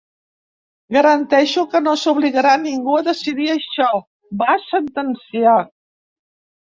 Garanteixo que no s’obligarà ningú a decidir això, va sentenciar.